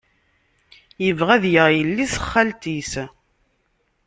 Yebɣa ad yaɣ yelli-s n xalti-s.